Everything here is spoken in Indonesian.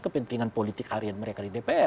kepentingan politik harian mereka di dpr